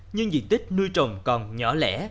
nhưng diện tích nuôi trồng còn nhỏ lẻ